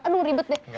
aduh ribet deh